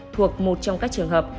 thuộc một trong các trường hợp